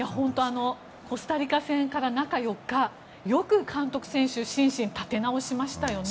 コスタリカ戦から中４日よく監督、選手心身立て直しましたよね。